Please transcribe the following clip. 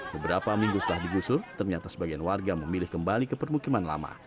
beberapa minggu setelah digusur ternyata sebagian warga memilih kembali ke permukiman lama